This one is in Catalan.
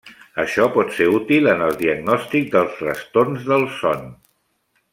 Això pot ser útil en el diagnòstic dels trastorns del son.